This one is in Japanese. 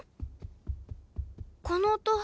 この音。